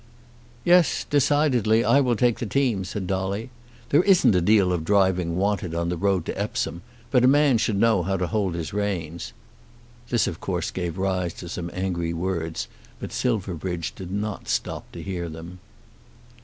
"Yes; decidedly. I will take the team," said Dolly. "There isn't a deal of driving wanted on the road to Epsom, but a man should know how to hold his reins." This of course gave rise to some angry words, but Silverbridge did not stop to hear them.